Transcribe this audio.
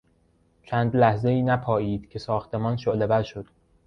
چند لحظهای نپایید که ساختمان شعلهور شد.